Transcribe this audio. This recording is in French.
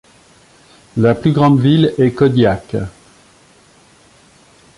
La plus grande ville est Kodiak.